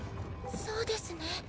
そうですね。